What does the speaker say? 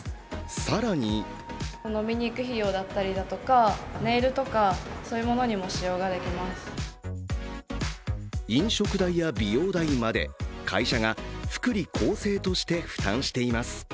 更に飲食代や美容代まで会社が福利厚生として負担しています。